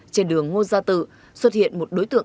trên đường ngô gia tự xuất hiện một đối tượng